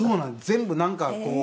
全部なんかこう。